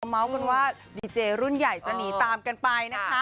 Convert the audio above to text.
มะมะว่าดีเจย์รุ่นใหญ่จะนี่ตามนั้นไปนะคะ